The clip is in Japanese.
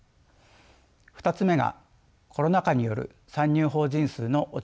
２つ目がコロナ禍による参入法人数の落ち込みです。